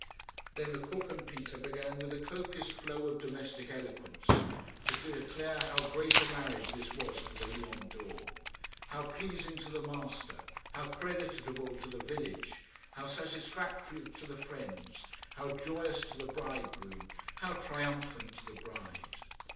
Then the cook and Peter began with a copious flow of domestic eloquence to declare how great a marriage this was for the Lion d'Or how pleasing to the master, how creditable to the village, how satisfactory to the friends, how joyous to the bridegroom, how triumphant to the bride!